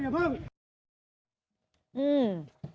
อย่าเพิ่มอย่าเพิ่ม